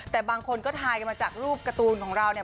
แต่บางคนก็ทายกันมาจากรูปการ์ตูนของเราเนี่ย